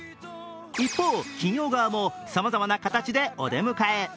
一方、企業側もさまざまな形でお出迎え。